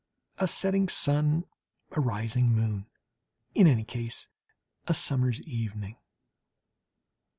A setting sun, a rising moon? In any case, a summer's evening.